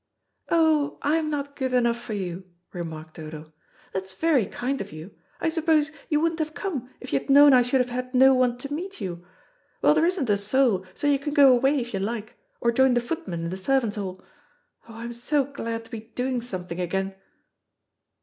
"Oh, I'm not good enough for you," remarked Dodo. "That's very kind of you. I suppose you, wouldn't have come, if you had known I should have had no one to meet you. Well, there isn't a soul, so you can go away if you like, or join the footmen in the servants' hall. Oh, I am so glad to be doing something again."